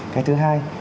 cái thứ hai